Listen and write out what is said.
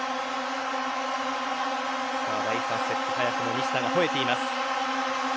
第３セット早くも西田がほえています。